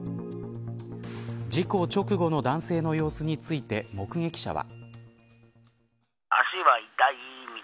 事故直後の男性の様子について目撃者は。